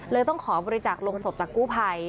ต้องขอบริจาคลงศพจากกู้ภัย